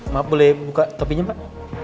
mbak boleh buka topinya mbak